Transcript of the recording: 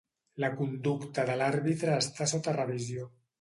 La conducta de l'àrbitre està sota revisió.